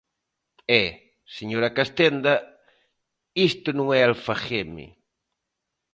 E, señora Castenda, isto non é Alfageme.